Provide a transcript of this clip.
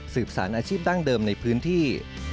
สารอาชีพดั้งเดิมในพื้นที่